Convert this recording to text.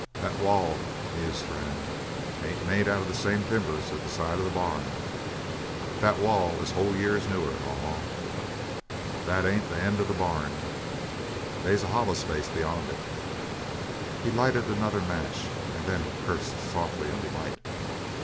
"That wall," mused Strann, "ain't made out of the same timber as the side of the barn. That wall is whole years newer. Haw Haw, that ain't the end of the barn. They's a holler space beyond it." He lighted another match, and then cursed softly in delight.